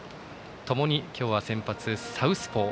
ともに今日は先発、サウスポー。